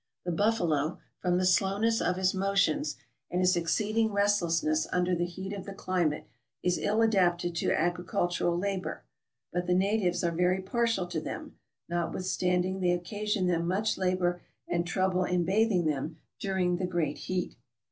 The buffalo, from the slowness of his motions, and his exceeding restlessness under the heat of the climate, is ill adapted to agricultural labor ; but the natives are very partial to them, notwithstanding they occasion them much labor and trouble in bathing them during the great heat.